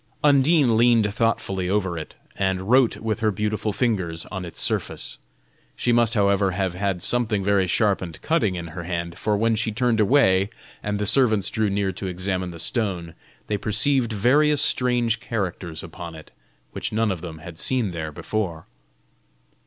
Undine leaned thoughtfully over it, and wrote with her beautiful fingers on its surface. She must, however, have had something very sharp and cutting in her hand, for when she turned away, and the servants drew near to examine the stone, they perceived various strange characters upon it, which none of them had seen there before.